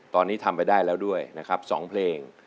ตอนนี้ทำไปได้แล้วด้วยนะครับ๒เพลง